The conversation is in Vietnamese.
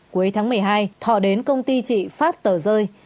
cuối tháng một mươi hai thọ đến công ty chị phát tờ rơi